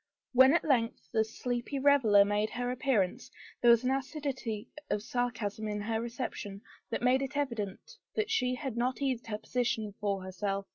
When at length the sleepy reveler made her appearance, there was an acidity of sarcasm in her reception that made it evident she had not eased her position for her self.